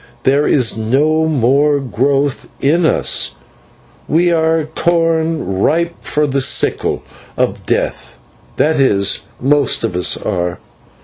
There is no more growth in us, we are corn ripe for the sickle of Death that is, most of us are.